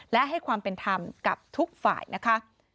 และให้ความเป็นธรรมกับทุกฝ่ายนะคะ